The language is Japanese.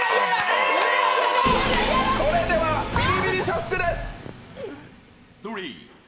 それではビリビリショックです。